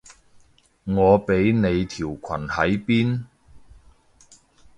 我畀你條裙喺邊？